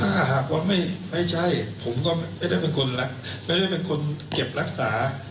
ถ้าหากว่าไม่ใช่ผมก็ไม่ได้เป็นคนเก็บรักษา